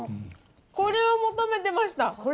これを求めてました。